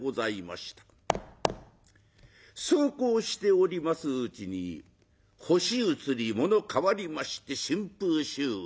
そうこうしておりますうちに星移り物変わりまして春風秋雨。